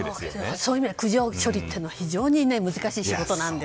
そういう意味では苦情処理は非常に難しい仕事なんです。